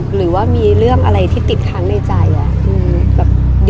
หรือว่ามีเรื่องอะไรที่ติดค้างในใจ